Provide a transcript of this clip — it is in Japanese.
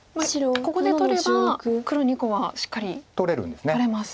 ここで取れば黒２個はしっかり取れます。